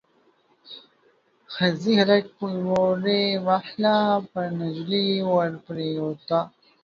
ښځې هلک پوري واهه، پر نجلۍ ور پريوته.